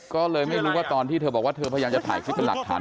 ก็เลยไม่รู้ว่าตอนที่เธอบอกว่าเธอพยายามจะถ่ายคลิปเป็นหลักฐาน